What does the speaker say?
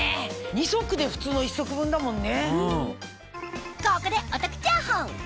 ２足で普通の１足分だもんね。